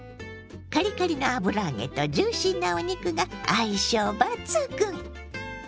カリカリの油揚げとジューシーなお肉が相性抜群！